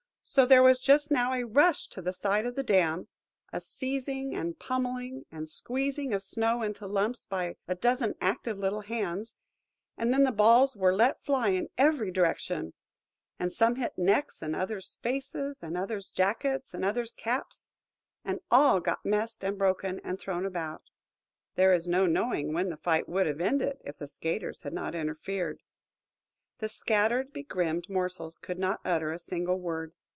So there was just now a rush to the side of the dam, a seizing and pommelling, and squeezing of snow into lumps by a dozen active little hands; and then the balls were let fly in every direction; and some hit necks, and others faces, and others jackets, and others caps: and all got messed and broken, and thrown about. There is no knowing when the fight would have ended, if the skaters had not interfered. The scattered, begrimed morsels could not utter a single word.